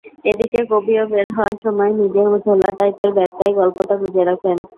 এদিকে কবিও বের হওয়ার সময় নিজের ঝোলা টাইপের ব্যাগটায় গল্পটা গুঁজে রাখেন।